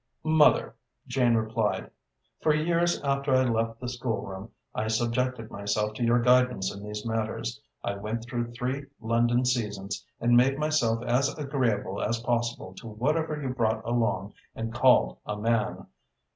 "Mother," Jane replied, "for years after I left the schoolroom I subjected myself to your guidance in these matters. I went through three London seasons and made myself as agreeable as possible to whatever you brought along and called a man.